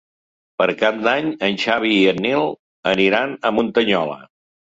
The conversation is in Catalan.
Per Cap d'Any en Xavi i en Nil aniran a Muntanyola.